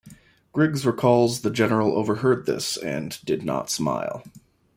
Griggs recalls the General overheard this and "did not smile".